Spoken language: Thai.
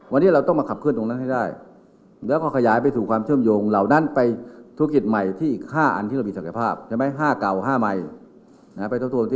วันนี้เราต้องมาขับเคลื่อนตรงนั้นให้ได้แล้วก็ขยายไปสู่ความเชื่อมโยงเหล่านั้นไปธุรกิจใหม่ที่อีก๕อันที่เรามีศักยภาพใช่ไหม๕เก่า๕ใหม่